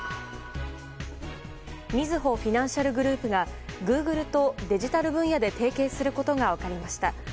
みずほフィナンシャルグループがグーグルとデジタル分野で提携することが分かりました。